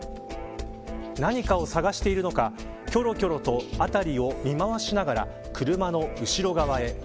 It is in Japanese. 何かを探しているのかきょろきょろと辺りを見回しながら車の後ろ側へ。